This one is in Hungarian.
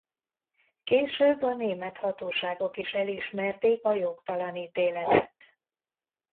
Később a német hatóságok is elismerték a jogtalan ítéletet.